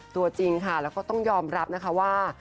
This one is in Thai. ตัวจริงค่ะแล้วก็ต้องยอมรับนะคะว่า